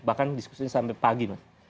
bahkan diskusinya sampai pagi